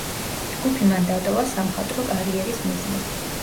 ჯგუფი მან დატოვა სამხატვრო კარიერის მიზნით.